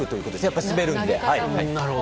やっぱり滑るので。